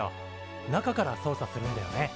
中から操作するんだよね。